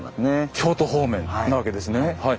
京都方面なわけですねはい。